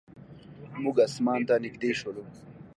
موږ اسمان ته نږدې شولو.